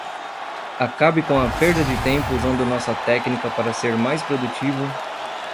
Acabe com a perda de tempo usando nossa técnica para ser mais produtivo